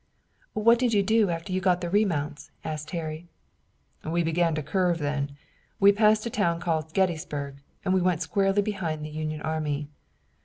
"What did you do after you got the remounts?" asked Harry. "We began to curve then. We passed a town called Gettysburg, and we went squarely behind the Union army.